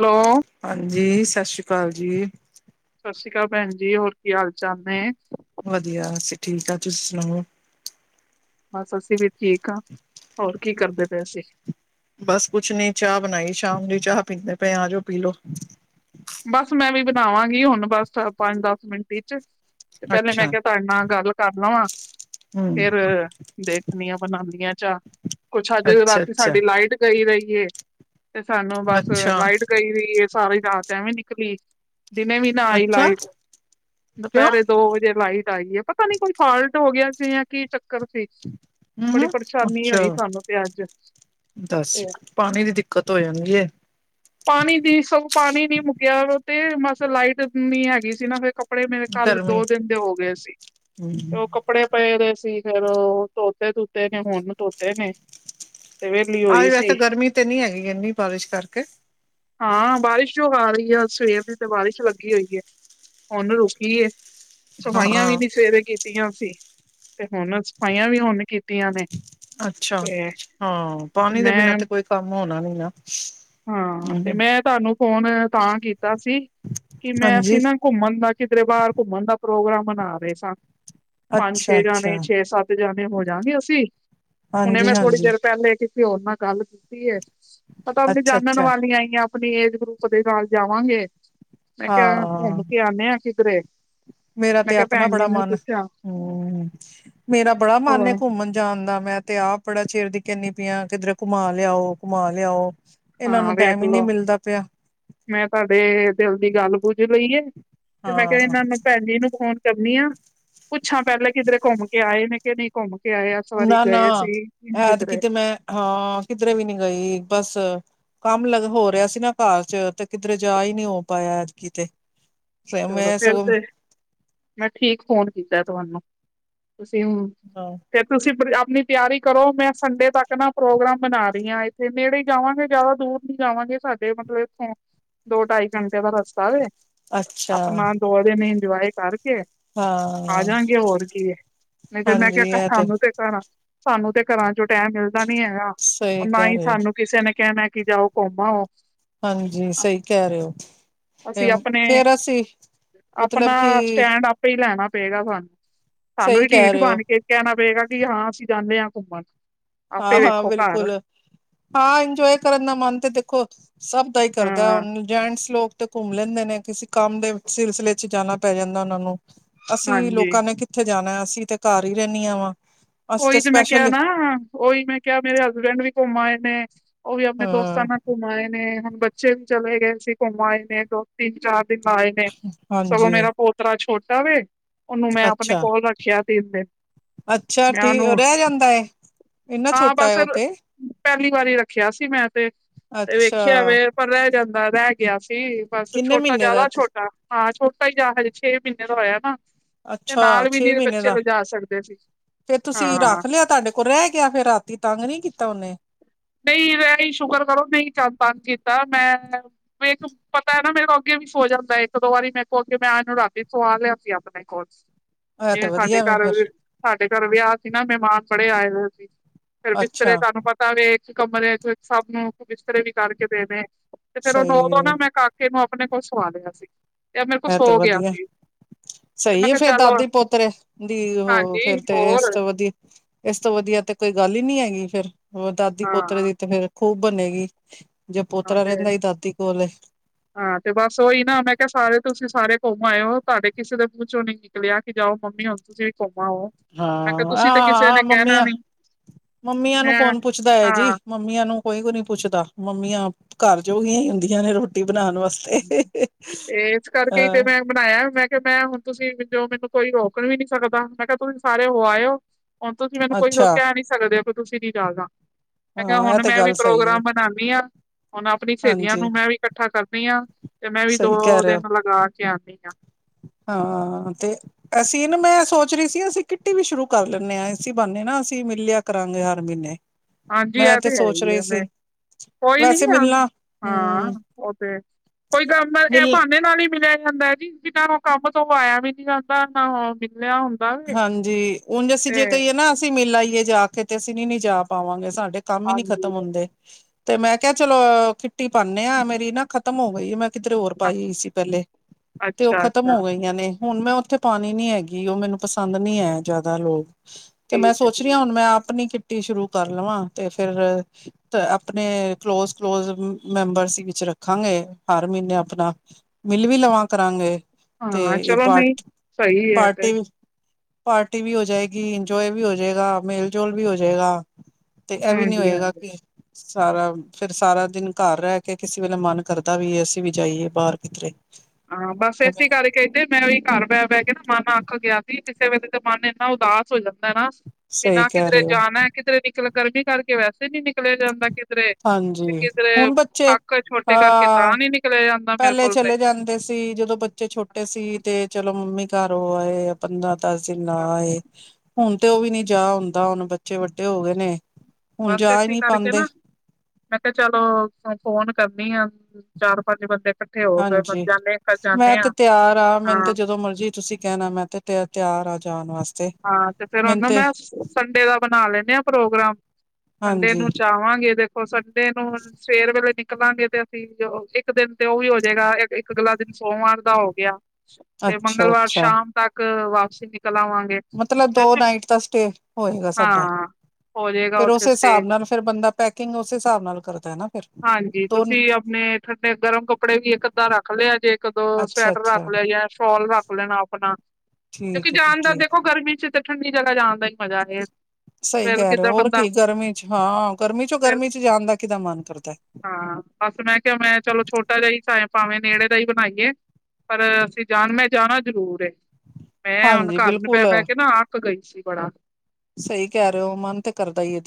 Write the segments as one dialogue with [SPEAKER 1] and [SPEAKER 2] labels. [SPEAKER 1] Hello.
[SPEAKER 2] ਹਾਂਜੀ, ਸਤਿ ਸ਼੍ਰੀ ਕਾਲ ਜੀ।
[SPEAKER 1] ਸਤਿ ਸ੍ਰੀ ਕਾਲ ਭੈਣ ਜੀ, ਹੋਰ ਕੀ ਹਾਲ ਚਾਲ ਨੇ?
[SPEAKER 2] ਵਧੀਆ ਅਸੀ ਠੀਕ ਆਂ, ਤੁਸੀਂ ਸੁਣਾਓ।
[SPEAKER 1] ਬਸ ਅਸੀਂ ਵੀ ਠੀਕ ਆਂ। ਹੋਰ ਕੀ ਕਰਦੇ ਪਏ ਸੀ?
[SPEAKER 2] ਬਸ ਕੁਛ ਨੀ ਚਾਹ ਬਣਾਈ, ਸ਼ਾਮ ਦੀ ਚਾਹ ਪੀਂਦੇ ਪਏ ਆ, ਆਜੋ ਪੀ ਲੋ।
[SPEAKER 1] ਬਸ ਮੈਂ ਵੀ ਬਣਾਵਾਂਗੀ ਹੁਣ, ਬਸ ਪੰਜ ਦਸ ਮਿੰਟ ਇੱਚ। ਤੇ ਪਹਿਲੇ ਮੈਂ
[SPEAKER 2] ਅੱਛਾ
[SPEAKER 1] ਕਿਹਾ ਤੁਆਡੇ ਨਾਲ ਗੱਲ ਕਰ ਲਵਾਂ।
[SPEAKER 2] ਹਮ
[SPEAKER 1] ਫਿਰ ਦੇਖਨੀ ਆਂ, ਬਣਾਦੀ ਆਂ ਚਾਹ। ਕੁੱਛ ਅੱਜ
[SPEAKER 2] ਅੱਛਾ
[SPEAKER 1] ਰਾਤੀ
[SPEAKER 2] ਅੱਛਾ
[SPEAKER 1] ਸਾਡੀ ਲਾਈਟ ਗਈ ਰਈ ਏ, ਤੇ ਸਾਨੂੰ ਬਸ
[SPEAKER 2] ਅੱਛਾ
[SPEAKER 1] ਲਾਈਟ ਗਈ ਰਈ ਏ ਸਾਰੀ ਰਾਤ ਐਵੇਂ ਨਿਕਲੀ, ਦਿਨੇ ਵੀ ਨਾ ਆਈ
[SPEAKER 2] ਅੱਛਾ
[SPEAKER 1] ਲਾਈਟ,
[SPEAKER 2] ਕਿਉਂ
[SPEAKER 1] ਦੁਪਹਿਰੇ ਦੋ ਵਜੇ ਲਾਈਟ ਆਈ ਐ। ਪਤ ਪਤਾ ਨੀ ਕੋਈ ਫਾਲਟ ਹੋ ਗਿਆ ਸੀ, ਯਾਂ ਕੀ ਚੱਕਰ ਸੀ।
[SPEAKER 2] ਹਮ
[SPEAKER 1] ਬੜੀ
[SPEAKER 2] ਹਮ
[SPEAKER 1] ਪਰੇਸ਼ਾਨੀ
[SPEAKER 2] ਅੱਛਾ
[SPEAKER 1] ਹੋਈ ਸਾਨੂੰ ਤੇ ਅੱਜ।
[SPEAKER 2] ਦੱਸ,
[SPEAKER 1] ਤੇ
[SPEAKER 2] ਪਾਣੀ ਦੀ ਦਿੱਕਤ ਹੋ ਜਾਂਦੀ ਏ।
[SPEAKER 1] ਪਾਣੀ ਦੀ, ਸਗੋਂ ਪਾਣੀ ਨੀ ਮੁੱਕਿਆ। ਓਰ ਓ ਤੇ ਮਸ ਲਾਈਟ ਨੀ ਹੈਗੀ ਸੀ ਨਾ ਫਿਰ ਕੱਪੜੇ ਮੇਰੇ ਕੱਲ
[SPEAKER 2] ਗਰਮੀ
[SPEAKER 1] ਦੋ ਦਿਨ ਦੇ ਹੋ ਗਏ ਸੀ, ਤੇ
[SPEAKER 2] ਹਮ
[SPEAKER 1] ਉਹ ਕੱਪ ਕੱਪੜੇ ਪਏ ਦੇ ਸੀ ਫਿਰ ਉਹ ਧੋਤੇ ਧੁਤੇ ਨੇ ਹੁਣ ਧੋਤੇ ਨੇ। ਤੇ ਵਿਹਲੀ
[SPEAKER 2] ਆਜ
[SPEAKER 1] ਹੋਈ
[SPEAKER 2] ਵੈਸੇ
[SPEAKER 1] ਸੀ
[SPEAKER 2] ਗਰਮੀ ਤੇ ਨੀ ਹੈਗੀ ਇੰਨੀ, ਬਾਰਿਸ਼ ਕਰਕੇ।
[SPEAKER 1] ਹਾਂ ਬਾਰਿਸ਼ ਚੋ ਆ ਰਈ ਏ, ਸਵੇਰ ਦੀ ਤੇ ਬਾਰਿਸ਼ ਲੱਗੀ ਹੋਈ ਐ, ਹੁਨ ਰੁਕੀ ਏ। ਸਫਾਈਆਂ ਵੀ
[SPEAKER 2] ਹਾਂ
[SPEAKER 1] ਨੀ ਸਵੇਰੇ ਕੀਤੀਆਂ ਅਸੀਂ, ਤੇ ਹੁਣ ਸਫਾਈਆਂ ਵੀ ਹੁਣ ਕੀਤੀਆਂ ਨੇ।
[SPEAKER 2] ਅੱਛਾ,
[SPEAKER 1] ਤੇ
[SPEAKER 2] ਹਾਂ। ਪਾਣੀ ਦੇ
[SPEAKER 1] ਮੈਂ
[SPEAKER 2] ਬਿਨਾਂ ਤੇ ਕੋਈ ਕੰਮ ਹੋਣਾ ਨੀ ਨਾ।
[SPEAKER 1] ਹਾਂ।
[SPEAKER 2] ਹਮ
[SPEAKER 1] ਤੇ ਮੈਂ ਤਾਨੂੰ ਫੋਨ ਤਾਂ ਕੀਤਾ ਸੀ, ਕਿ ਮੈਂ
[SPEAKER 2] ਹਾਂਜੀ
[SPEAKER 1] ਸੀ ਨਾ ਘੁੰਮਣ ਦਾ, ਕਿਧਰੇ ਬਾਰ ਘੁੰਮਣ ਦਾ ਪ੍ਰੋਗਰਾਮ ਬਨਾ ਰਹੇ ਸਾਂ। ਪੰਜ
[SPEAKER 2] ਅੱਛਾ
[SPEAKER 1] ਛੇ
[SPEAKER 2] ਅੱਛਾ
[SPEAKER 1] ਜਾਣੇ ਛੇ ਸੱਤ ਜਾਣੇੇ ਹੋ ਜਾਗੇ ਅਸੀਂ, ਹੁਣੇ
[SPEAKER 2] ਹਾਂਜੀ
[SPEAKER 1] ਮੈਂ ਥੋੜੀ
[SPEAKER 2] ਹਾਂਜੀ
[SPEAKER 1] ਦੇਰ ਪਹਿਲੇ ਕਿਸੇ ਹੋਰ ਨਾਲ ਗੱਲ ਕੀਤੀ ਹੈ। ਤਾਂ ਵੀ
[SPEAKER 2] ਅੱਛਾ
[SPEAKER 1] ਜਾਨਣ
[SPEAKER 2] ਅੱਛਾ
[SPEAKER 1] ਵਾਲੀਆਂ ਆਈਆਂ। ਆਪਣੀ ਏਜ ਗਰੁੱਪ ਦੇ ਨਾਲ ਜਾਵਾਂਗੇ। ਮੈਂ ਕਿਹਾ
[SPEAKER 2] ਹਾਂ
[SPEAKER 1] ਘੁੰਮ ਕੇ ਆਉਂਦੇ ਆ ਕਿਧਰੇ।
[SPEAKER 2] ਮੇਰਾ
[SPEAKER 1] ਮੈਂ
[SPEAKER 2] ਤੇ
[SPEAKER 1] ਕਿਹਾ
[SPEAKER 2] ਆਪਣਾ
[SPEAKER 1] ਭੈਣ
[SPEAKER 2] ਬੜਾ
[SPEAKER 1] ਜੀ ਨੂੰ
[SPEAKER 2] ਮਨ,
[SPEAKER 1] ਪੁੱਛਿਆ
[SPEAKER 2] ਹੂੰ ਮੇਰਾ ਬੜਾ ਮਨ ਹੈ
[SPEAKER 1] ਹੋਰ
[SPEAKER 2] ਘੁੰਮਣ ਜਾਣ ਦਾ ਮੈਂ ਤੇ ਆਪ ਬੜਾ ਚਿਰ ਦੀ ਕਹਿੰਦੀ ਪਈ ਆ ਕਿਧਰੇ ਘੁਮਾ ਲਿਆਓ, ਘੁਮਾ ਲਿਆਓ। ਇਹਨਾਂ
[SPEAKER 1] ਹਾਂ
[SPEAKER 2] ਨੂੰ
[SPEAKER 1] ਵੇਖ
[SPEAKER 2] ਟਾਈਮ ਹੀ ਨਹੀਂ
[SPEAKER 1] ਲਉ,
[SPEAKER 2] ਮਿਲਦਾ ਪਿਆ
[SPEAKER 1] ਮੈਂ ਤੁਹਾਡੇ ਦਿਲ ਦੀ ਗੱਲ ਬੁੱਝ ਲਈ ਐ। ਤੇ ਮੈਂ ਕਿਹਾ
[SPEAKER 2] ਹਾਂ
[SPEAKER 1] ਇਹਨਾਂ ਨੂੰ ਭੈਣ ਜੀ ਨੂੰ ਫ਼ੋਨ ਕਰਨੀ ਆ, ਪੁੱਛਾਂ ਪਹਿਲਾਂ ਕਿੱਧਰੇ ਘੁੰਮ ਕੇ ਆਏ ਨੇ। ਕਿ ਨਹੀਂ ਘੁੰਮ ਕੇ ਆਏ, ਇਸ ਵਾਰੀ
[SPEAKER 2] ਨਾ ਨਾ
[SPEAKER 1] ਗਏ ਸੀ
[SPEAKER 2] ਐਤਕੀ
[SPEAKER 1] ਕਿਧਰੇ।
[SPEAKER 2] ਤੇ ਮੈਂ ਹਾਂ ਕਿਧਰੇ ਵੀ ਨਹੀਂ ਗਈ ਬਸ ਕੰਮ ਲ ਹੋ ਰਿਹਾ ਸੀ ਨਾ ਘਰ ਚ ਤੇ ਕਿੱਧਰੇ ਜਾ ਹੀ ਨਹੀਂ ਹੋ ਪਾਇਆ ਐਤਕੀ ਤੇ।
[SPEAKER 1] ਚਲੋ
[SPEAKER 2] ਮੈਂ
[SPEAKER 1] ਫਿਰ
[SPEAKER 2] ਸਗੋਂ
[SPEAKER 1] ਤੇ ਮੈਂ ਠੀਕ ਫੋਨ ਕੀਤਾ ਐ ਤੁਹਾਨੂੰ, ਤੁਸੀ ਹ
[SPEAKER 2] ਹਾਂ।
[SPEAKER 1] ਤੇ ਤੁਸੀ ਆਪਣੀ ਤਿਆਰੀ ਕਰੋ, ਮੈਂ ਸੰਡੇ ਤੱਕ ਨਾ ਪ੍ਰੋਗਰਾਮ ਬਣਾ ਰਹੀ ਹਾਂ, ਇੱਥੇ ਨੇੜੇ ਜਾਵਾਂਗੇ ਜ਼ਿਆਦਾ ਦੂਰ ਜਾਵਾਂਗੇ, ਸਾਡੇ ਮਤਲਬ ਇੱਥੋਂ ਦੋ ਢਾਈ ਘੰਟੇ ਦਾ ਰਸਤਾ ਐ।
[SPEAKER 2] ਅੱਛਾ
[SPEAKER 1] ਆਪਣਾ ਦੋ ਦਿਨ ਇੰਜੋਏ ਕਰਕੇ ਆ
[SPEAKER 2] ਹਾਂ
[SPEAKER 1] ਜਾਗੇ ਹੋਰ ਕੀ ਹੈ। ਨਹੀਂ ਤੇ ਮੈਂ
[SPEAKER 2] ਹਾਂਜੀ
[SPEAKER 1] ਕਿਹਾ
[SPEAKER 2] ਇਹ
[SPEAKER 1] ਸਾਨੂੰ ਤੇ ਘਰ ਸਾਨੂੰ ਤੇ ਘਰਾਂ ਚੋਂ ਟਾਇਮ ਮਿਲਦਾ ਨਹੀਂ ਹੈਗਾ
[SPEAKER 2] ਸਹੀ
[SPEAKER 1] ਔਰ ਨਾ
[SPEAKER 2] ਕਹਿ
[SPEAKER 1] ਹੀ
[SPEAKER 2] ਰਹੇ ਹੋ
[SPEAKER 1] ਸਾਨੂੰ ਕਿਸੇ ਨੇ ਕਹਿਨਾ ਕਿ ਜਾਓ। ਘੁਮ ਆਓ।
[SPEAKER 2] ਹਾਂਜੀ ਸਹੀ ਕਹਿ ਰਹੇ
[SPEAKER 1] ਅਸੀਂ
[SPEAKER 2] ਹੋ
[SPEAKER 1] ਆਪਣੇ
[SPEAKER 2] ਫਿਰ ਅਸੀਂ ਮਤਲਬ
[SPEAKER 1] ਆਪਣਾ
[SPEAKER 2] ਕਿ
[SPEAKER 1] ਸਟੈਂਡ ਆਪੇ ਹੀ ਲੈਣਾ ਪਏਗਾ ਤੁਹਾਨੂੰ, ਸਾਨੂੰ
[SPEAKER 2] ਸਹੀ
[SPEAKER 1] ਹੀ
[SPEAKER 2] ਕਹਿ
[SPEAKER 1] ਢੀਠ
[SPEAKER 2] ਰਹੇ ਹੋ
[SPEAKER 1] ਬਣ ਕਹਿਣਾ ਪਏਗਾ ਕਿ ਹਾਂ ਅਸੀਂ ਜਾਂਦੇ ਹਾਂ ਘੁੰਮਣ,
[SPEAKER 2] ਹਾਂ
[SPEAKER 1] ਆਪੇ
[SPEAKER 2] ਹਾਂ
[SPEAKER 1] ਵੇਖੋ ਘਰ।
[SPEAKER 2] ਬਿਲਕੁਲ ਹਾਂ ਇੰਜੋਏ ਕਰਨ ਦਾ ਮਨ ਤੇ ਦੇਖੋ ਸਭ ਦਾ ਈ ਕਰਦਾ ਐ
[SPEAKER 1] ਹਾਂ
[SPEAKER 2] ਹੁਣ ਜੈਂਟਸ ਲੋਕ ਤੇ ਘੁੰਮ ਲੈਂਦੇ ਨੇ। ਕਿਸੇ ਕੰਮ ਦੇ ਸਿਲਸਿਲੇ ਚ ਜਾਣਾ ਪੈ ਜਾਂਦਾ ਉਹਨਾਂ ਨੂੰ, ਅਸੀਂ
[SPEAKER 1] ਹਾਂਜੀ
[SPEAKER 2] ਲੋਕਾਂ ਨੇ ਕਿੱਥੇ ਜਾਣਾ ਐ ਅਸੀਂ ਤੇ ਘਰ ਈ ਰਹਿੰਦੀਆਂ ਵਾਂ।
[SPEAKER 1] ਉਹੀ ਤੇ ਮੈਂ ਕਿਹਾ ਨਾ ਉਹੀ ਮੈਂ ਕਿਹਾ ਮੇਰੇ ਹਸਬੈਂਡ ਵੀ ਘੁੰਮ ਆਏ ਨੇ। ਉਹ ਵੀ ਆਪਣੇ ਦੋਸਤਾਂ
[SPEAKER 2] ਹਾਂ
[SPEAKER 1] ਨਾਲ ਘੁੰਮ ਆਏ ਨੇ। ਹੁਣ ਬੱਚੇ ਵੀ ਚਲੇ ਗਏ ਸੀ ਘੁੰਮ ਆਏ ਨੇ ਦੋ, ਤਿੰਨ, ਚਾਰ। ਦਿਨ ਆਏ ਨੇ। ਸਗੋਂ
[SPEAKER 2] ਹਾਂਜੀ
[SPEAKER 1] ਮੇਰਾ ਪੋਤਰਾ ਛੋਟਾ ਵੇ। ਉਹਨੂੰ ਮੈਂ ਆਪਣੇ
[SPEAKER 2] ਅੱਛਾ
[SPEAKER 1] ਕੋਲ ਰੱਖਿਆ ਤਿੰਨ ਦਿਨ।
[SPEAKER 2] ਅੱਛਾ
[SPEAKER 1] ਮੈਂ
[SPEAKER 2] ਠੀਕ
[SPEAKER 1] ਉਹਨੂੰ
[SPEAKER 2] ਰਹਿ ਜਾਂਦਾ ਏ, ਇੰਨਾ
[SPEAKER 1] ਹਾਂ
[SPEAKER 2] ਛੋਟਾ ਐ
[SPEAKER 1] ਬਸ
[SPEAKER 2] ਉਹ ਤੇ।
[SPEAKER 1] ਪਹਿਲੀ ਵਾਰੀ ਰੱਖਿਆ ਸੀ ਮੈਂ ਤੇ, ਤੇ
[SPEAKER 2] ਅੱਛਾ
[SPEAKER 1] ਵੇਖਿਆ ਫੇਰ ਪਰ ਰਹਿ ਜਾਂਦਾ ਰਹਿ ਗਿਆ ਸੀ। ਬਸ
[SPEAKER 2] ਕਿੰਨੇ
[SPEAKER 1] ਛੋਟਾ
[SPEAKER 2] ਮਹੀਨੇ
[SPEAKER 1] ਜਿਆਦਾ
[SPEAKER 2] ਦਾ
[SPEAKER 1] ਛੋਟਾ ਹਾਂ ਛੋਟਾ ਈ ਆ ਹਜੇ ਛੇ ਮਹੀਨਿਆਂ ਦਾ ਹੋਇਆ ਨਾ। ਤੇ
[SPEAKER 2] ਅੱਛਾ
[SPEAKER 1] ਨਾਲ ਵੀ ਨਹੀਂ ਬੱਚੇ ਲਿਜਾ ਸਕਦੇ ਸੀ।
[SPEAKER 2] ਫਿਰ ਤੁਸੀਂ
[SPEAKER 1] ਹਾਂ
[SPEAKER 2] ਰੱਖ ਲਿਆ, ਤੁਹਾਡੇ ਕੋਲ ਰਹਿ ਗਿਆ, ਫਿਰ ਰਾਤੀ ਤੰਗ ਨਹੀਂ ਕੀਤਾ ਉਹਨੇ।
[SPEAKER 1] ਨਹੀਂ ਇਹ ਹੀ ਸ਼ੁਕਰ ਕਰੋ ਨਹੀਂ ਤੰਗ ਕੀਤਾ ਮੈਂ ਮੈਨੂੰ ਪਤਾ ਹੈ ਨਾ ਮੇਰੇ ਅੱਗੇ ਵੀ ਸੋ ਜਾਂਦਾ ਐ। ਇੱਕ ਦੋ ਵਾਰੀ ਮੇ ਕੋਲ ਅੱਗੇ ਮੈਂ ਇਹਨੂੰ ਰਾਤੀ ਸਵਾ ਲਿਆ ਸੀ ਆਪਣੇ ਕੋਲ।
[SPEAKER 2] ਤਾਂ
[SPEAKER 1] ਇਹ ਸਾਡੇ
[SPEAKER 2] ਵਧੀਆ ਵੇ
[SPEAKER 1] ਘਰ
[SPEAKER 2] ਫੇਰ
[SPEAKER 1] ਸਾਡੇ ਘਰ ਵਿਆਹ ਸੀ ਨਾ ਮਹਿਮਾਨ ਬੜੇ ਆਏ ਹੋਏ ਸੀ, ਫਿਰ ਬਿਸਤਰੇ
[SPEAKER 2] ਅੱਛਾ
[SPEAKER 1] ਤੁਹਾਨੂੰ ਪਤਾ ਵੇਖ ਕਮਰੇ ਚ ਸਭ ਨੂੰ ਬਿਸਤਰੇ ਵੀ ਕਰਕੇ ਦੇਣੇ, ਤੇ ਫਿਰ ਉਹਨੂੰ
[SPEAKER 2] ਸਹੀ
[SPEAKER 1] ਉਦੋਂ
[SPEAKER 2] ਹੈ
[SPEAKER 1] ਨਾ ਮੈਂ ਕ ਕਾਕੇ ਨੂੰ ਆਪਣੇ ਕੋਲ ਸਵਾ ਲਿਆ ਸੀ ਤੇ ਮੇਰੇ ਕੋਲ
[SPEAKER 2] ਇਹ ਤੇ
[SPEAKER 1] ਸੋ ਗਿਆ
[SPEAKER 2] ਵਧੀਆ
[SPEAKER 1] ਸੀ। ਤੇ
[SPEAKER 2] ਸਹੀ
[SPEAKER 1] ਮੈਂ
[SPEAKER 2] ਏ ਫਿਰ
[SPEAKER 1] ਕਿਹਾ ਚਲੋ
[SPEAKER 2] ਦਾਦੇ ਪੋਤਰੇ ਦੀ ਉਹ
[SPEAKER 1] ਹਾਂਜੀ
[SPEAKER 2] ਫਿਰ ਤੇ
[SPEAKER 1] ਹੋਰ
[SPEAKER 2] ਇਸ ਤੋਂ ਵਧੀਆ ਇਸ ਤੋਂ ਵਧੀਆ ਤੇ ਕੋਈ ਗੱਲ ਈ ਨਹੀਂ ਹੈਗੀ ਫਿਰ ਹੋਰ ਦਾਦੀ
[SPEAKER 1] ਹਾਂ
[SPEAKER 2] ਪੋਤਰੇ
[SPEAKER 1] ਹਾਂ
[SPEAKER 2] ਦੀ ਤੇ ਫਿਰ। ਖੂਬ ਬਣੇਗੀ, ਜੇ
[SPEAKER 1] ਹਾਂ,
[SPEAKER 2] ਪੋਤਰਾ
[SPEAKER 1] ਤੇ
[SPEAKER 2] ਰਹਿੰਦਾ ਈ ਦਾਦੀ ਕੋਲ‌ ਏ।
[SPEAKER 1] ਹਾਂ ਤੇ ਬਸ ਉਹੀ ਨਾ ਮੈਂ ਕਿਹਾ ਸਾਰੇ ਤੁਸੀਂ ਸਾਰੇ ਘੁੰਮ ਆਏ ਓ ਤੁਹਾਡੇ ਕਿਸੇ ਦੇ ਮੂੰਹ ਚੋਂ ਨੀ ਲਿਆ ਕਿ ਜਾਓ ਮੰਮੀ ਹੁਣ ਤੁਸੀਂ ਵੀ ਘੁੰਮ ਆਓ। ਮੈਂ ਕਿਹਾ
[SPEAKER 2] ਹਾਂ
[SPEAKER 1] ਤੁਸੀਂ ਤੇ ਕਿਸੇ
[SPEAKER 2] ਆਹ
[SPEAKER 1] ਨੇ
[SPEAKER 2] ਆ
[SPEAKER 1] ਕਹਿਣਾ
[SPEAKER 2] ਮੰਮੀਆਂ,
[SPEAKER 1] ਨੀ
[SPEAKER 2] ਮੰਮੀਆਂ ਨੂੰ
[SPEAKER 1] ਮੈਂ
[SPEAKER 2] ਕੌਣ ਪੁੱਛਦਾ ਐ ਜੀ।
[SPEAKER 1] ਹਾਂ
[SPEAKER 2] ਮੰਮੀਆਂ ਨੂੰ ਕੋਈ ਕੋਈ ਨਹੀਂ ਪੁੱਛਦਾ ਮੰਮੀਆਂ ਘਰ ਜੋਗੀਆ ਈ ਹੁੰਦੀਆਂ ਨੇ ਰੋ ਰੋਟੀ ਬਣਾਉਣ ਵਾਸਤੇ,
[SPEAKER 1] ਤੇ ਇਸ ਕਰਕੇ ਹੀ ਤੇ
[SPEAKER 2] ਹਾਂ।
[SPEAKER 1] ਮੈਂ ਬਣਾਇਆ ਮੈਂ ਕਿਹਾ ਮੈਂ ਹੁਣ ਤੁਸੀਂ ਜੋ ਮੈਨੂੰ ਕੋਈ ਰੋਕ ਵੀ ਨਹੀਂ ਸਕਦਾ। ਮੈਂ ਕਿਹਾ ਤੁਸੀਂ ਸਾਰੇ ਹੋ ਆਏ ਓ। ਹੁਣ ਤੁਸੀਂ ਮੈਨੂੰ ਕੋਈ ਰੋ
[SPEAKER 2] ਅੱਛਾ
[SPEAKER 1] ਕਹਿ ਨਹੀਂ ਸਕਦੇ ਕਿ ਤੁਸੀਂ ਨਹੀਂ ਜਾਣਾ। ਮੈਂ ਕਿਹਾ
[SPEAKER 2] ਹਾਂ ਇਹ
[SPEAKER 1] ਹੁਣ
[SPEAKER 2] ਤੇ
[SPEAKER 1] ਮੈਂ ਵੀ
[SPEAKER 2] ਗੱਲ ਸਹੀ ਹੈ
[SPEAKER 1] ਪ੍ਰੋਗਰਾਮ ਬਣਾਉਂਦੀ ਆ। ਹੁਣ ਆਪਣੀ ਸਹੇਲੀਆਂ
[SPEAKER 2] ਹਾਂਜੀ
[SPEAKER 1] ਨੂੰ ਮੈਂ ਵੀ ਇਕੱਠਾ ਕਰ ਨੀਆ ਤੇ ਮੈਂ ਵੀ
[SPEAKER 2] ਸਹੀ ਕਹਿ
[SPEAKER 1] ਦੋ
[SPEAKER 2] ਰਹੇ ਹੋ
[SPEAKER 1] ਦਿਨ ਲਗਾ ਕੇ ਆਣੀ ਆ।
[SPEAKER 2] ਹਾਂ ਤੇ ਅਸੀਂ ਨਾ ਮੈਂ ਸੋਚ ਰੀ ਸੀ ਅਸੀਂ ਕਿੱਟੀ ਵੀ ਸ਼ੁਰੂ ਕਰ ਲੈਂਣੇ ਆ ਇਸੀ ਬਾਹਨੇ ਨਾ ਅਸੀਂ ਮਿਲਿਆ ਕਰਾਂਗੇ ਹਰ ਮਹੀਨੇ।
[SPEAKER 1] ਹਾਂਜੀ
[SPEAKER 2] ਮੈਂ
[SPEAKER 1] ਆਹ ਤੇ ਹੈ
[SPEAKER 2] ਸੋਚ
[SPEAKER 1] ਈ
[SPEAKER 2] ਰਹੀ
[SPEAKER 1] ਆ ਮੈਂ,
[SPEAKER 2] ਸੀ
[SPEAKER 1] ਕੋਈ ਨੀ,
[SPEAKER 2] ਵੈਸੇ
[SPEAKER 1] ਹਾਂ।
[SPEAKER 2] ਮਿਲਣਾ ਹਮ
[SPEAKER 1] ਉਹ ਤੇ, ਕੋਈ ਗਮ ਇਹ
[SPEAKER 2] ਮਿਲ
[SPEAKER 1] ਬਹਾਨੇ ਨਾਲ ਈ ਮਿਲਿਆ ਜਾਂਦਾ ਐ ਜੀ। ਇਨਾਂ ਨੂੰ ਕੰਮ ਤੋਂ ਆਇਆ ਵੀ ਨੀ ਜਾਂਦਾ ਨਾ ਉਹ ਮਿਲਿਆ ਹੁਨ
[SPEAKER 2] ਹਾਂਜੀ ਉਂਝ ਅਸੀਂ ਜੇ ਕਹੀਏ ਨਾ ਅਸੀਂ ਮਿਲ ਆਈਏ ਜਾ ਕੇ ਤੇ ਅਸੀਂ ਨੇ ਨੀ ਜਾ ਪਾਵਾਂਗੇ ਸਾਡੇ ਕੰਮ ਈ ਨੀ
[SPEAKER 1] ਹਾਂਜੀ
[SPEAKER 2] ਖਤਮ ਹੁੰਦੇ ਤੇ ਮੈਂ ਕਿਹਾ ਚਲੋ ਕਿੱਟੀ ਪਾਣੇ ਆ ਮੇਰੀ ਨਾ ਖਤਮ ਹੋਗੀ ਐ ਕਿਧਰੇ ਹੋਰ
[SPEAKER 1] ਹਾਂ,
[SPEAKER 2] ਪਾਈ ਹੋਈ ਸੀ ਪਹਿਲੇ, ਤੇ ਉਹ
[SPEAKER 1] ਅੱਛਾ
[SPEAKER 2] ਖਤਮ
[SPEAKER 1] ਅੱਛਾ
[SPEAKER 2] ਹੋ ਗਈਆਂ ਨੇ ਹੁਣ ਮੈਂ ਉੱਥੇ ਪਾਣੀ ਨੀ ਹੈਗੀ ਉਹ ਮੈਨੂੰ ਪਸੰਦ ਨੀ ਐ ਜ਼ਿਆਦਾ ਲੋਕ, ਤੇ ਮੈਂ
[SPEAKER 1] ਠੀਕ ਹੈ
[SPEAKER 2] ਸੋਚ ਰੀ ਆ
[SPEAKER 1] ਠੀਕ ਹੈ।
[SPEAKER 2] ਹੁਣ ਮੈਂ ਆਪਣੀ ਕਿਟ ਟੀ ਸ਼ੁਰੂ ਕਰ ਲਵਾਂ ਤੇ ਫੇਰ ਆਪਣੇ ਕਲੋਜ ਕਲੋਜ ਮੈਂਬਰਸ ਵਿੱਚ ਰੱਖਾਂਗੇ ਹਰ ਮਹੀਨੇ ਆਪਣਾ ਮਿਲ ਵੀ ਲਵਾਂ ਕਰਾਂਗੇ ਤੇ
[SPEAKER 1] ਹਾਂ
[SPEAKER 2] ਇਹ
[SPEAKER 1] ਚਲੋ ਨਹੀਂ
[SPEAKER 2] ਪਾਰਟੀ,
[SPEAKER 1] ਸਹੀ ਹੈ ਤੇ
[SPEAKER 2] ਪਾਰਟੀ ਵੀ ਪਾਰਟੀ ਵੀ ਹੋ ਜਾਏਗੀ, ਇੰਜੋਏ ਵੀ ਹੋਜੇਗਾ, ਮੇਲ-ਜੋਲ ਵੀ ਹੋਜੇਗਾ। ਤੇ ਇਹ ਵੀ ਨੀ
[SPEAKER 1] ਹਾਂਜੀ
[SPEAKER 2] ਹੋਏਗਾ
[SPEAKER 1] ਹਾਂਜੀ
[SPEAKER 2] ਕੀ ਸਾਰਾ ਫਿਰ ਸਾਰਾ ਦਿਨ ਘਰ ਰਹਿ ਕੇ ਕਿਸੇ ਵੇਲੇ ਮਨ ਕਰਦਾ ਵੀ ਅਸੀਂ ਵੀ ਜਾਈਏ ਬਾਹਰ ਕਿਤਰੇ।
[SPEAKER 1] ਹਾਂ ਬਸ ਇਸੇ ਕਰ ਕੇ ਕਹਿੰਦੇ ਮੈਂ ਉਹੀ ਘਰ ਬਹਿ-ਬਹਿ ਕੇ ਨਾ ਮਨ ਆਖ ਗਿਆ ਸੀ ਕਿਸੇ ਵੇਲੇ ਤੇ ਮਨ ਇੰਨਾ ਉਦਾਸ ਹੋ ਜਾਂਦਾ ਨਾ।
[SPEAKER 2] ਸਹੀ
[SPEAKER 1] ਫੇਰਨਾ
[SPEAKER 2] ਕਹਿ
[SPEAKER 1] ਕਿਧਰੇ
[SPEAKER 2] ਰਹੇ ਹੋ
[SPEAKER 1] ਜਾਣਾ ਕਿਧਰੇ ਵੀ ਚਲ ਗਰਮੀ ਕਰਕੇ ਵੈਸੇ ਨੀ ਨਿਕਲਿਆ ਜਾਂਦਾ ਕਿਧਰੇ ਤੇ
[SPEAKER 2] ਹਾਂਜੀ
[SPEAKER 1] ਕਿਧਰੇ
[SPEAKER 2] ਹੁਣ ਬੱਚੇ
[SPEAKER 1] ਕਾਕੇ ਛੋਟੇ ਕਰਕੇ
[SPEAKER 2] ਹਾਂ
[SPEAKER 1] ਤਾਂ ਨੀ ਨਿਕਲਿਆ ਜਾਂਦਾ। ਮੇਰੇ
[SPEAKER 2] ਪਹਿਲੇ
[SPEAKER 1] ਕੋਲ ਤੇ
[SPEAKER 2] ਚਲੇ ਜਾਂਦੇ ਸੀ ਜਦੋਂ ਬੱਚੇ ਛੋਟੇ ਸੀ ਤੇ ਚਲੋ ਮੰਮੀ ਘਰ ਹੋ ਆਏ ਨਾ ਦਸਦੇ ਨਆਏ ਾਹੁਣ ਤੇ ਉਹ ਵੀ ਨੀ ਜਾ ਹੁੰਦਾ ਹੁਣ ਬੱਚੇ ਵੱਡੇ ਹੋ ਗਏ ਨੇ ਹੁਣ
[SPEAKER 1] ਬਸ
[SPEAKER 2] ਜਾ ਹੀ
[SPEAKER 1] ਇਸੀ
[SPEAKER 2] ਨਹੀ
[SPEAKER 1] ਕਰਕੇ
[SPEAKER 2] ਪਾਉਂਦੇ
[SPEAKER 1] ਨਾ ਮੈਂ ਕਿਹਾ ਚਲੋ ਫੋਨ ਕਰਨੀ ਆ ਚਾਰ ਪੰਜ ਬੰਦੇ ਕੱਠੇ
[SPEAKER 2] ਹਾਂਜੀ ਮੈਂ ਤੇ ਤਿਆਰ ਹਾਂ ਮੈਨੂੰ ਤੇ ਜਦੋਂ ਮਰਜ਼ੀ ਤੁਸੀਂ ਕਹਿਣਾ ਮੈਂ ਤਿਆਰ ਆ ਜਾਣ ਵਾਸਤੇ
[SPEAKER 1] ਹਾਂ ਤੇ ਫੇਰ
[SPEAKER 2] ਮੈਨੂੰ
[SPEAKER 1] ਉਹਨੂੰ
[SPEAKER 2] ਤੇ
[SPEAKER 1] ਮੈਂ ਸੰਡੇ ਦਾ ਬਣਾ ਲੈਂਨੇ ਆ ਪ੍ਰੋਗਰਾਮ ਸੰਡੇ
[SPEAKER 2] ਹਾਂਜੀ
[SPEAKER 1] ਨੂੰ ਚਾਹਵਾਂਗੇ ਦੇਖੋ ਸੰਡੇ ਨੂੰ ਸਵੇਰ ਵੇਲੇ ਨਿਕਲਾਂਗੇ ਤੇ ਅਸੀਂ ਇੱਕ ਦਿਨ ਤੇ ਉਹ ਵੀ ਹੋ ਜਾਏਗਾ ਇੱਕ ਅਗਲਾ ਦਿਨ ਸੋਮਵਾਰ ਦਾ ਹੋ ਗਿਆ ਤੇ
[SPEAKER 2] ਅੱਛਾ
[SPEAKER 1] ਮੰਗਲਵਾਰ
[SPEAKER 2] ਅੱਛਾ
[SPEAKER 1] ਸ਼ਾਮ ਤੱਕ ਵਾਪਸੀ ਨਿਕਲ ਆਵਾਂਗੇ
[SPEAKER 2] ਮਤਲਬ ਦੋ ਨਾਈਟ ਦਾ ਸਟੇ ਹੋਏਗਾ ਸਾਡਾ
[SPEAKER 1] ਹਾਂ ਹੋ ਜਾਏਗਾ
[SPEAKER 2] ਫਿਰ ਉਸ
[SPEAKER 1] ਉੱਥੇ ਸਟੇ
[SPEAKER 2] ਹਿਸਾਬ ਨਾਲ ਫਿਰ ਬੰਦਾ ਪੈਕਿੰਗ ਉਸ ਹਿਸਾਬ ਨਾਲ ਕਰਦਾ ਹੈ ਨਾ ਫਿਰ
[SPEAKER 1] ਹਾਂਜੀ
[SPEAKER 2] ਦੋ ਦਿਨ
[SPEAKER 1] ਤੁਸੀਂ ਆਪਣੇ ਤੇ ਗਰਮ ਕੱਪੜੇ ਵੀ ਇੱਕ ਅੱਧਾ ਰੱਖ ਲਿਆ ਜੇ ਇੱਕ, ਦੋਂ
[SPEAKER 2] ਅੱਛਾ
[SPEAKER 1] ਸਵੈਟਰ
[SPEAKER 2] ਅੱਛਾ
[SPEAKER 1] ਰੱਖ ਲਿਇਆ, ਸ਼ੋਲ ਰੱਖ ਲੈਣਾ ਆਪ ਆਪਣਾ, ਕਿਉਂਕਿ
[SPEAKER 2] ਠੀਕ ਹੈ ਜੀ
[SPEAKER 1] ਜਾਣ ਦਾ
[SPEAKER 2] ਠੀਕ
[SPEAKER 1] ਦੇਖੋ ਗਰਮੀ 'ਚ ਤੇ ਠੰਡੀ ਜਗਾ ਜਾਣ ਦਾ ਈ ਮਜ਼ਾ ਏ।
[SPEAKER 2] ਸਈ ਕਹਿ ਰੇਓ ਹੋਰ ਕੀ ਗਰਮੀ 'ਚ ਹਾਂ ਗਰਮੀ ਚੋਂ
[SPEAKER 1] ਫੇਰ
[SPEAKER 2] ਗਰਮੀ 'ਚ ਜਾਣ ਦਾ ਕਿਦਾਂ ਮਨ ਕਰਦੇਅ।
[SPEAKER 1] ਹਾਂ ਬਸ ਮੈਂ ਕਿਹਾ ਮੈਂ ਚਲੋ ਛੋਟਾ ਜਾ ਈ ਚਾਏ ਪਾਵੇਂ ਨੇੜੇ ਦਾ ਈ ਬਣਾਈਏ। ਪਰ ਅਸੀਂ ਜਾਣ ਮੈਂ ਜਾਣਾ ਜ਼ਰੂਰ ਏ, ਮੈਂ ਹੁਣ
[SPEAKER 2] ਹਾਂਜੀ
[SPEAKER 1] ਘਰ ਨਈ
[SPEAKER 2] ਬਿਲਕੁਲ
[SPEAKER 1] ਨਾ ਆਕ ਗਈ ਸੀ ਬੜਾ
[SPEAKER 2] ਸਹੀ ਕਹਿ ਰਹੇ ਹੋ ਮਨ ਤੇ ਕਰਦਾ ਈ ਐ।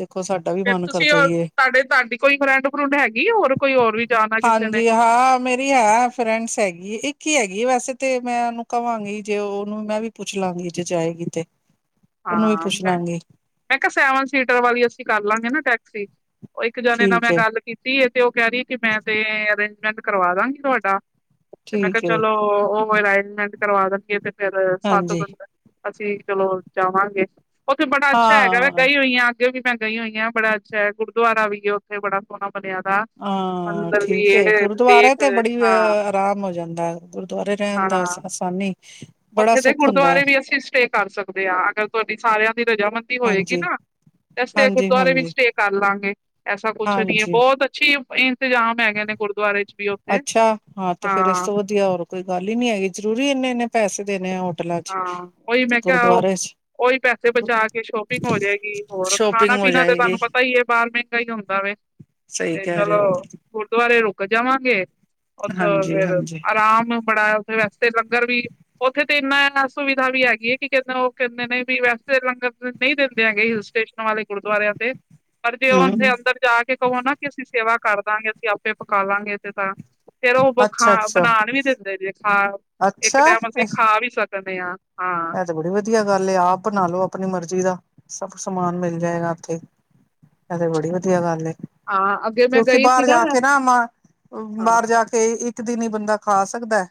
[SPEAKER 1] ਫੇਰ ਤੁਸੀਂ ਤੁਹਾਡੇ ਤੁਹਾਡੀ ਕੋਈ ਫਰੈਂਡ ਫਰੁੰਡ ਹੈਗੀ ਹੋਰ ਕੋਈ ਹੋਰ ਵੀ ਜਾਣਾ ਕਿਸੇ ਨੇ?
[SPEAKER 2] ਹਾਂਜੀ ਹਾਂ [unintelligible] ਤੇ ਹੈ ਫਰੈਂਡਸ ਹੈਗੀ ਇੱਕ ਹੀ ਹੈਗੀ ਵੈਸੇ ਤੇ ਮੈਂ ਉਹਨੂੰ ਕਹਾਂਗੀ ਜੇ ਉਹਨੂੰ ਮੈਂ ਵੀ, ਪੁੱਛ ਲਾਂਗੀ ਜੇ ਜਾਏਗੀ ਤੇ ਉਹਨੂੰ ਵੀ
[SPEAKER 1] ਹਾਂ
[SPEAKER 2] ਪੁੱਛ
[SPEAKER 1] ਮੈਂ
[SPEAKER 2] ਲਾਂਗੀ
[SPEAKER 1] ਮੈਂ ਕਿਹਾ ਸੈਵਨ ਸੀਟਰ ਵਾਲੀ ਅਸੀਂ ਕਰ ਲਾਂਗੇ ਨਾ ਟੈਕਸੀ ਉਹ ਇੱਕ ਜਾਣੇ ਨਾਲ
[SPEAKER 2] ਠੀਕ
[SPEAKER 1] ਮੈਂ
[SPEAKER 2] ਹੈ
[SPEAKER 1] ਗੱਲ ਕੀਤੀ ਏ ਤੇ ਉਹ ਕਹਿ ਰਹੀ ਕਿ ਮੈਂ ਤੇ ਅਰੇਂਜਮੈਂਟ ਕਰਵਾ ਦਾਂਗੀ ਤੁਹਾਡਾ ਤੇ ਮੈਂ ਕਿਹਾ
[SPEAKER 2] ਠੀਕ ਹੈ
[SPEAKER 1] ਚਲੋ ਉਹ ਅਰੇਂਜਮੈਂਟ ਕਰਵਾ ਦੇਣਗੇ ਤੇ ਫੇਰ ਸੱਤ
[SPEAKER 2] ਹਾਂਜੀ
[SPEAKER 1] ਦਿਨ ਕਾ ਅਸੀਂ ਚਲੋ ਜਾਵਾਂਗੇ ਉੱਥੇ ਬੜਾ ਅੱਛਾ ਹੈਗਾ ਏ
[SPEAKER 2] ਹਾਂ
[SPEAKER 1] ਗਈ ਹੋਈ ਹਾਂ ਅੱਗੇ ਵੀ ਮੈਂ ਗਈ ਹੋਈ ਹਾਂ ਬੜਾ ਅੱਛਾ ਹੈ ਗੁਰਦੁਆਰਾ ਵੀ ਉੱਥੇ ਬੜਾ ਸੋਹਣਾ ਬਣਿਆ ਦਾ
[SPEAKER 2] ਹਾਂ
[SPEAKER 1] ਮੰਦਰ ਵੀ
[SPEAKER 2] ਠੀਕ
[SPEAKER 1] ਇਹ
[SPEAKER 2] ਏ ਗੁਰਦੁਆਰੇ
[SPEAKER 1] ਲੇਕ
[SPEAKER 2] ਤੇ ਬੜੀ
[SPEAKER 1] ਹਾਂ
[SPEAKER 2] ਅਰਾਮ ਹੋ ਜਾਂਦਾ ਗੁਰਦੁਆਰੇ ਰਹਿਣ ਦਾ
[SPEAKER 1] ਹਾਂ।
[SPEAKER 2] ਆਸਾਨੀ ਬੜਾ
[SPEAKER 1] ਉੱਥੇ
[SPEAKER 2] ਸੁੱਖ ਹੁੰਦਾ ਹੈ
[SPEAKER 1] ਦੇ ਆ ਅਗਰ ਤੁਹਾਡੀ ਸਾਰਿਆਂ ਦੀ ਰਜਾਮੰਦੀ ਹੋਏਗੀ
[SPEAKER 2] ਹਾਂਜੀ
[SPEAKER 1] ਨਾ ਐਥੇ
[SPEAKER 2] ਹਾਂਜੀ
[SPEAKER 1] ਗੁਰਦੁਆਰੇ ਵਿੱਚ
[SPEAKER 2] ਹਾਂਜੀ
[SPEAKER 1] ਸਟੇ ਕਰ ਲਾਂਗੇ ਐਸਾ ਕੁਛ ਨੀ ਹੈ
[SPEAKER 2] ਹਾਂਜੀ,
[SPEAKER 1] ਬਹੁਤ ਅੱਛੀ [unintelligible] ਤੇ ਆਮ ਹੈਗੇ ਨੇ ਗੁਰਦੁਆਰੇ ਚ। ਵੀ ਉੱਥੇ
[SPEAKER 2] ਅੱਛਾ ਹਾਂ ਤੇ ਫੇਰ ਇਸ ਤੋਂ ਵਧੀਆ ਹੋਰ ਕੋਈ ਗੱਲ ਹੀ ਨੀ ਹੈਗੀ ਜ਼ਰੂਰੀ ਇੰਨੇ ਇੰਨੇ ਪੈਸੇ ਦੇਣੇ ਆ ਹੋਰ, ਹੋਟਲਾਂ ਚ
[SPEAKER 1] ਹਾਂ ਉਹੀ ਮੈਂ ਕਿਹਾ
[SPEAKER 2] ਗੁਰਦੁਆਰੇ ਚ।
[SPEAKER 1] ਉਹੀ ਪੈਸੇ ਬਚਾ ਕੇ ਸ਼ੋਪਿੰਗ ਹੋਜੇਗੀ ਹੋਰ
[SPEAKER 2] ਸ਼ੋਪਿੰਗ
[SPEAKER 1] ਖਾਣਾ
[SPEAKER 2] ਹੋ
[SPEAKER 1] ਪੀਣਾ ਤੇ
[SPEAKER 2] ਜਾਏਗੀ
[SPEAKER 1] ਤੁਵਾਨੂੰ ਪਤਾ ਹੀ ਹੈ ਬਾਹਰਵੇ ਈ ਹੁੰਦਾ ਵੇ
[SPEAKER 2] ਸਹੀ
[SPEAKER 1] ਤੇ
[SPEAKER 2] ਕਹਿ ਰਹੇ
[SPEAKER 1] ਚਲੋ
[SPEAKER 2] ਹੋ
[SPEAKER 1] ਗੁਰਦੁਆਰੇ ਰੁਕ ਜਾਵਾਂਗੇ। ਉੱਥੋ ਫੇਰ
[SPEAKER 2] ਹਾਂਜੀ-ਹਾਂਜੀ
[SPEAKER 1] ਆਰਾਮ ਨਾਲ ਬਨਾਓ ਉੱਥੇ ਰਾਸਤੇ ਚ ਲੰਗਰ ਵੀ ਉੱਥੇ ਤੇ ਇੰਨਾ ਏਨਾ ਸੁਵਿਧਾ ਵੀ ਹੈਗੀ ਏ ਕਿ [unintelligible] ਓ ਕਹਿੰਦੇ ਨੇ ਵੀ ਵੈਸੇ ਲੰਗਰ ਨਹੀਂ ਦੇਂਦੇ ਹੈਗੇ। ਸਟੇਸ਼ਨਾਂ ਵਾਲੇ ਗੁਰਦੁਆਰਿਆਂ ਤੇ। ਪਰ ਜੇ ਉਹ ਉੱਥੇ
[SPEAKER 2] ਹੂੰ
[SPEAKER 1] ਅੰਦਰ ਜਾ ਕੇ ਕਹੋ ਨਾ ਕਿ ਅਸੀਂ ਸੇਵਾ ਕਰ ਦਾਂਗੇ ਅਸੀਂ ਆਪੇ ਪਕਾ ਲਾਂਗੇ ਐਥੇ ਤਾਂ। ਫੇਰ ਉਹ ਖਾ
[SPEAKER 2] ਅੱਛਾ-ਅੱਛਾ,
[SPEAKER 1] ਬਣਾਣ ਵੀ ਦਿੰਦੇ ਜੇ ਖਾ ਇੱਕ
[SPEAKER 2] ਅੱਛਾ
[SPEAKER 1] ਟਾਈਮ ਅਸੀਂ ਖਾ ਵੀ ਸਕਦੇ ਸਕਦੇ ਆ ਹਾਂ।
[SPEAKER 2] ਇਹ ਤੇ ਬੜੀ ਵਧੀਆ ਗੱਲ ਏ ਆਪ ਬਣਾ ਲੋ ਆਪਣੀ ਮਰਜ਼ੀ ਦਾ ਸਭ ਸਮਾਨ ਮਿਲ ਜਾਏਗਾ ਓਥੇ। ਐਹ ਤੇ ਬੜੀ ਵਧੀਆ ਗੱਲ ਏ
[SPEAKER 1] ਹਾਂ ਅੱਗੇ ਮੈਂ
[SPEAKER 2] ਕਿਉਂਕਿ
[SPEAKER 1] ਗਈ ਸੀ
[SPEAKER 2] ਬਾਹਰ ਜਾ ਕੇ ਨਾ ਮਾਂ
[SPEAKER 1] ਹਾਂ
[SPEAKER 2] ਬਾਹਰ ਜਾ ਕੇ- ਕੇ ਇੱਕ ਦਿਨ ਹੀ ਬੰਦਾ ਖਾ ਸਕਦਾ।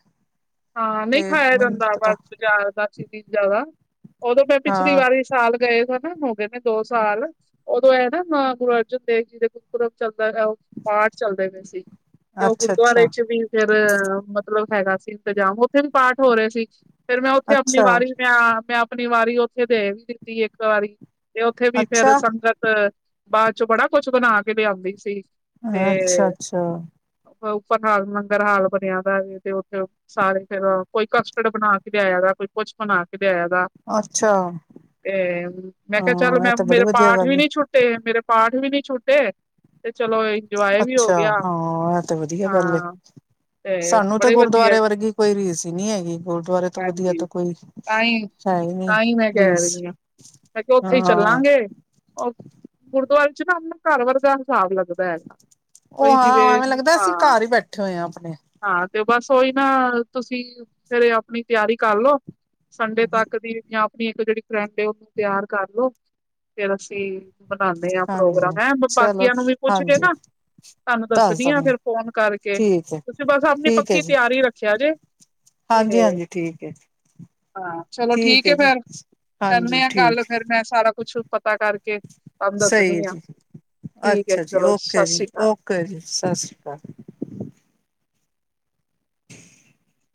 [SPEAKER 1] ਹਾਂ ਨਹੀਂ
[SPEAKER 2] ਤੇ
[SPEAKER 1] ਖਾਯਾ
[SPEAKER 2] ਮੈਨੂੰ ਨੀ
[SPEAKER 1] ਜਾਂਦਾ
[SPEAKER 2] ਪਤਾ
[SPEAKER 1] ਬਸ ਬਾਜ਼ਾਰ ਦਾ ਚੀਜ਼ਾਂ ਦਾ ਉਦੋਂ ਮੈਂ ਪਿਛਲੀ
[SPEAKER 2] ਹਾਂ
[SPEAKER 1] ਵਾਰੀ, ਸਾਲ ਗਏ ਸਾ ਨਾ ਹੋ ਗਏ ਨੇ ਦੋ ਸਾਲ। ਉਦੋਂ ਇਹ ਨਾ ਮਾਂ ਗੁਰੂ ਅਰਜਨ ਦੇਵ ਜੀ ਦੇ ਗੁਰਪੁਰਬ ਚੱਲਦਾ ਹੈ ਉਹ, ਪਾਠ ਚਲਦੇ ਪਏ ਸੀ ਤੇ ਉਹ ਗੁਰਦੁਆਰੇ
[SPEAKER 2] ਅੱਛਾ-ਅੱਛਾ,
[SPEAKER 1] ਚ ਵੀ ਫੇਰ ਮਤਲਬ ਹੈਗਾ ਸੀ। ਇੰਤਜ਼ਾਮ ਉੱਥੇ ਵੀ ਪਾਠ ਹੋ ਰਹੇ ਸੀ ਫੇਰ ਮੈਂ ਉੱਥੇ ਆਪਣੀ ਵਾਰੀ, ਮੈਂ ਮੈਂ ਆਪਣੀ ਵਾਰੀ ਉੱਥੇ ਦੇ ਦਿੱਤੀ ਇੱਕ ਵਾਰੀ ਤੇ ਉੱਥੇ ਵੀ ਫੇਰ
[SPEAKER 2] ਅੱਛਾ-ਅੱਛਾ
[SPEAKER 1] ਸੰਗਤ, ਬਾਦ ਚ ਬੜਾ ਕੁਛ ਬਣਾ ਕੇ ਲਿਆਂਦੀ ਸੀ ਤੇ,
[SPEAKER 2] ਅੱਛਾ ਅੱਛਾ
[SPEAKER 1] ਉੱਪਰ ਹਾਲ ਲੰਗਰ ਹਾਲ ਬਣਿਆ ਦਾ ਸੀ ਤੇ ਉੱਥੇ ਸਾਰੇ ਫੇਰ ਕੋਈ ਕਸਟਡ ਬਣਾ ਕੇ ਲਿਆਇਆ ਦਾ ਕੋਈ ਕੁਛ ਬਣਾ ਕੇ ਲਿਆਯਾ ਦਾ।
[SPEAKER 2] ਅੱਛਾ
[SPEAKER 1] ਤੇ ਮੈਂ ਕਿਹਾ ਚੱਲ
[SPEAKER 2] ਹਾਂ
[SPEAKER 1] ਮੈਂ
[SPEAKER 2] ਇਹ ਤਾਂ ਬੜੀ
[SPEAKER 1] ਮੇਰੇ
[SPEAKER 2] ਵਧੀਆ
[SPEAKER 1] ਪਾਠ ਵੀ
[SPEAKER 2] ਗੱਲ ਹੈ
[SPEAKER 1] ਨੀ ਛੁੱਟ ਮੇਰੇ ਪਾਠ ਵੀ ਨੀ ਛੂਟੇ।
[SPEAKER 2] ਅੱਛਾ ਹਾਂ ਇਹ ਤੇ ਵਧੀਆ ਗੱਲ ਏ।
[SPEAKER 1] ਹਾਂ ਤੇ
[SPEAKER 2] ਸਾਨੂੰ ਤਾਂ
[SPEAKER 1] ਬੜੇ ਵਧੀਆ
[SPEAKER 2] ਗੁਰਦੁਆਰੇ ਵਰਗੀ ਕੋਈ ਰੀਸ ਈ ਨੀ ਹੈਗੀ। ਗੁਰਦੁਆਰੇ ਤੋਂ ਵਧੀਆ
[SPEAKER 1] ਹਾਂਜੀ
[SPEAKER 2] ਤਾਂ ਕੋਈ
[SPEAKER 1] ਤਾਂ ਹੀ
[SPEAKER 2] ਹੈ ਈ ਨੀ
[SPEAKER 1] ਤਾਂ ਹੀ ਮੈਂ ਕਹਿ
[SPEAKER 2] ਰੀਸ।
[SPEAKER 1] ਰਹੀ ਹਾਂ ਮੈਂ ਕਿਹਾ ਉੱਥੇ ਹੀ
[SPEAKER 2] ਹਾਂ
[SPEAKER 1] ਚੱਲਾਂਗੇ‌। ਗੁਰਦੁਆਰੇ ਚ ਨਾ ਅਪਣਾ ਘਰ ਵਰਗਾ ਹਿਸਾਬ ਲੱਗਦਾ।
[SPEAKER 2] ਉਹ
[SPEAKER 1] ਕੋਈ ਜਿਵੇਂ
[SPEAKER 2] ਐਵੇਂ ਲੱਗਦਾ ਅਸੀਂ
[SPEAKER 1] ਹਾਂ
[SPEAKER 2] ਘਰ ਈ ਬੈਠੇ ਹੋਏ ਆਂ ਆਪਣੇ।
[SPEAKER 1] ਹਾਂ ਤੇ ਬਸ ਓਹੀ ਨਾ ਤੁਸੀਂ ਫੇਰ ਆਪਣੀ ਤਿਆਰੀ ਕਾਰ ਲੋ। ਸੰਡੇ ਤਕ ਦੀ ਜਾਂ ਆਪਣੀ ਇੱਕ ਜੇੜੀ ਫਰੈਂਡ ਏ ਉਹਨੂੰ ਤਿਆਰ ਕਰਲੋ ਫੇਰ ਅਸੀਂ। ਬਨਾਨੇ ਆਂ ਪ੍ਰੋਗਰਾਮ
[SPEAKER 2] ਹਾਂਜੀ
[SPEAKER 1] ਐ
[SPEAKER 2] ਚਲੋ
[SPEAKER 1] ਬਾਕੀਆਂ ਨੂੰ ਵੀ ਪੁੱਛ ਕੇ
[SPEAKER 2] ਹਾਂਜੀ
[SPEAKER 1] ਨਾ। ਤੁਹਾਨੂੰ
[SPEAKER 2] ਦੱਸ
[SPEAKER 1] ਦੱਸਣੀ ਆ
[SPEAKER 2] ਦਾਂਗੀ
[SPEAKER 1] ਫੇਰ ਫੋਨ ਕਰਕੇ
[SPEAKER 2] ਠੀਕ ਹੈ
[SPEAKER 1] ਤੁਸੀਂ ਬਸ ਆਪਣੀ
[SPEAKER 2] ਠੀਕ ਹੈ
[SPEAKER 1] ਪੱਕੀ
[SPEAKER 2] ਜੀ
[SPEAKER 1] ਤਿਆਰੀ ਰੱਖਿਆ ਜੇ। ਤੇ
[SPEAKER 2] ਹਾਂਜੀ- ਹਾਂਜੀ ਠੀਕ ਏ।
[SPEAKER 1] ਹਾਂ ਚਲੋ ਠੀਕ ਏ ਫੇਰ। ਕਰਨੇ
[SPEAKER 2] ਹਾਂਜੀ
[SPEAKER 1] ਆ ਗੱਲ
[SPEAKER 2] ਠੀਕ
[SPEAKER 1] ਫੇਰ ਮੈਂ ਸਾਰਾ ਕੁਛ ਪਤਾ ਕਰਕੇ ਤੁਹਾਨੂੰ
[SPEAKER 2] ਸਹੀ ਹੈ
[SPEAKER 1] ਦੱਸਣੀ ਆ।
[SPEAKER 2] ਜੀ
[SPEAKER 1] ਠੀਕ ਹੈ। ਚਲੋ, ਸਤਿ ਸ਼੍ਰੀ ਅਕਾਲ।
[SPEAKER 2] ਕਰੀ, ਸਤਿ ਸ਼੍ਰੀ ਅਕਾਲ। [unintelligible]